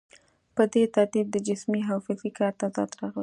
په دې ترتیب د جسمي او فکري کار تضاد راغی.